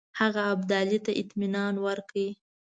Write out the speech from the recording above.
هغه ابدالي ته اطمینان ورکړی.